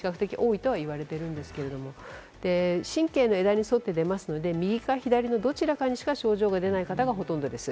体幹部が比較的多いと言われていますけれども、神経の枝に沿って出ますので、右か左かのどちらかにしか症状が出ない方がほとんどです。